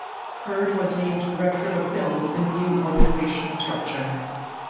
Heard was named director of films in the new organizational structure.